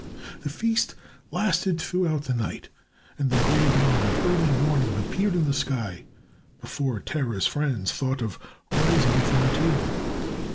The feast lasted throughout the night, and the gray dawn of early morning appeared in the sky before Terah's friends thought of rising from the table.